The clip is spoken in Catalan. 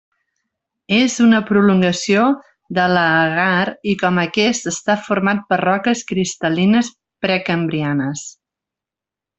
És una prolongació de l'Ahaggar, i com aquest, està format per roques cristal·lines precambrianes.